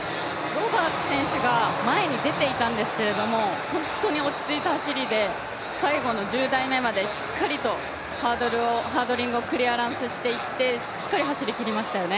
ロバーツ選手が前に出ていたんですけど本当に落ち着いた走りで最後の１０台目までしっかりとハードリングをクリアランスしていって、しっかり走りきりましたよね。